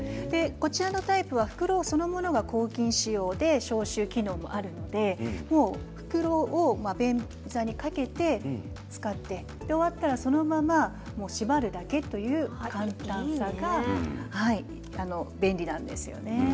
こちらのタイプは袋そのものが抗菌仕様で消臭力もあって袋を便座にかけて使って終わったらそのまま縛るだけという簡単さが便利なんですね。